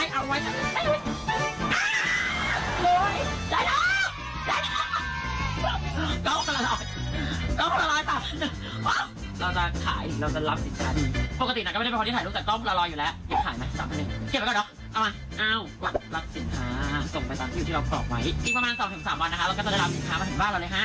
อีกประมาณ๒๓วันเราก็จะรับสินค้ามาถึงบ้านเราเลย